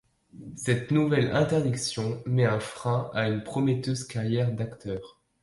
Cette nouvelle interdiction met un frein à une prometteuse carrière d'acteur.